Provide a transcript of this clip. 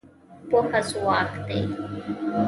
پوهه ځواک دی.